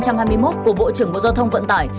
của bộ trưởng bộ giao thông vận tải